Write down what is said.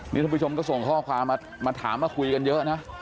นี่ท่านผู้ชมก็ส่งข้อความมาถามมาคุยกันเยอะนะ